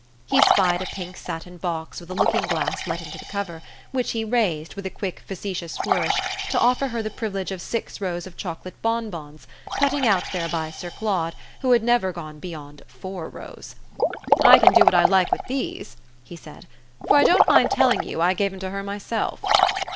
He spied a pink satin box with a looking glass let into the cover, which he raised, with a quick facetious flourish, to offer her the privilege of six rows of chocolate bonbons, cutting out thereby Sir Claude, who had never gone beyond four rows. "I can do what I like with these," he said, "for I don't mind telling you I gave 'em to her myself."